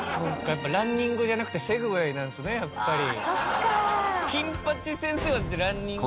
やっぱランニングじゃなくてセグウェイなんですねやっぱり」